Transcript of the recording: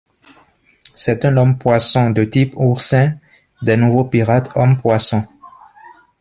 C'est un homme poisson de type Oursin des Nouveaux Pirates hommes-poissons.